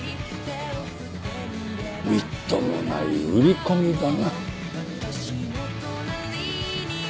みっともない売り込みだな。